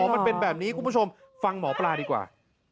มันเป็นแบบนี้คุณผู้ชมฟังหมอปลาดีกว่า